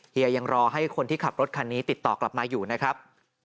เฮียยังรอให้คนที่ขับรถคันนี้ติดต่อกลับมาอยู่นะครับ